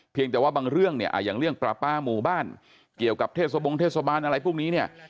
เพียงแต่ว่าบางเรื่องอย่างเรื่องปลาป้าหมู่บ้านเกี่ยวกับเทศบงค์เทศบาลอะไรพวกนี้